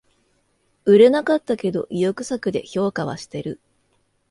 売れなかったけど意欲作で評価はしてる